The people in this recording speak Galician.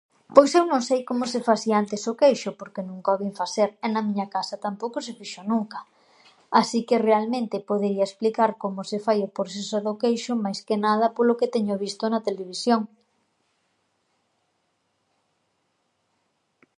Pois eu non sei como se fasía antes o queixo porque nunca o vin faser e na miña casa tampouco se fixo nunca. Así que, realmente, podería explicar como se fai o proseso do queixo, máis que nada, polo que teño visto na televisión.